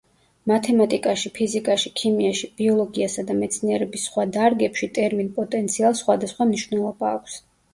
მათემატიკაში, ფიზიკაში, ქიმიაში, ბიოლოგიასა და მეცნიერების სხვა დარგებში ტერმინ „პოტენციალს“ სხვადასხვა მნიშვნელობა აქვს.